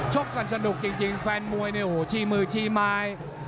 ชกกันสนุกจริงแฟนมวยเนี่ยโหชี่มือชี่มาย